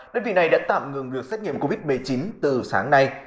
đơn vị này đã tạm ngừng việc xét nghiệm covid một mươi chín từ sáng nay